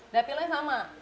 udah pileg sama